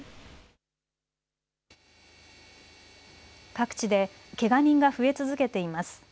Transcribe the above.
各地でけが人が増え続けています。